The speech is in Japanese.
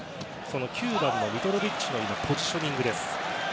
９番のミトロヴィッチのポジショニングです。